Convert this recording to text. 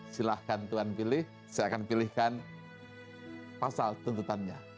silahkan tuhan pilih saya akan pilihkan pasal tuntutannya